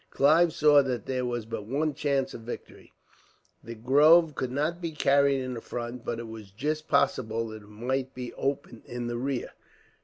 Clive saw that there was but one chance of victory. The grove could not be carried in the front, but it was just possible that it might be open in the rear.